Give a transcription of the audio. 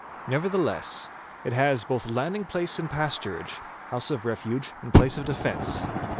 Nevertheless, it has both landing place and pasturage, house of refuge and place of defence.